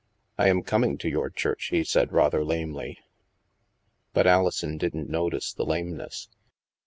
" I am coming to your church," he said rather lamely. But Alison didn't notice the lameness.